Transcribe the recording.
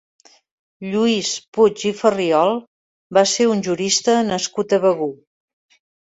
Lluís Puig i Ferriol va ser un jurista nascut a Begur.